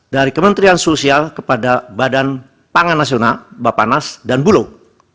dari kementerian sosial kepada badan pangan nasional bapak nas dan bulog